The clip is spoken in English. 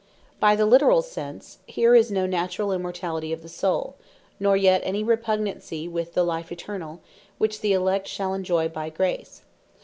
By the literall sense, here is no Naturall Immortality of the Soule; nor yet any repugnancy with the Life Eternall, which the Elect shall enjoy by Grace.